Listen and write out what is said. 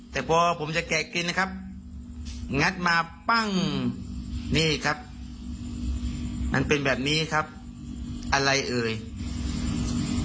แต่พอผมจะแกะกินนะครับงัดมาปั้งนี่ครับมันเป็นแบบนี้ครับอะไรเอ่ย